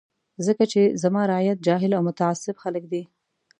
ځکه چې زما رعیت جاهل او متعصب خلک دي.